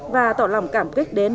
và tỏ lòng cảm kích đến vùng trò hát bài